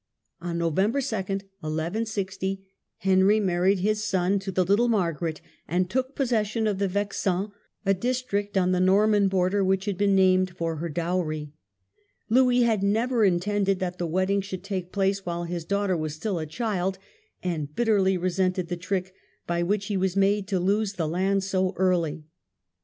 On November 2, 1160, Henry married his son to the little Margaret and took possession of the Vexin, a district on the Norman border which had been named for her dowry. Louis had never intended that the wedding should take place while his daughter was still a child, and bitterly resented the trick by which he was made to lose the land so early.